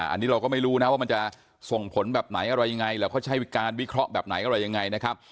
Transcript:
อันนี้เราก็ไม่รู้นะว่ามันจะส่งผลแบบไหนอะไรยังไงแล้วเขาใช้วิการวิเคราะห์แบบไหนอะไรยังไงนะครับ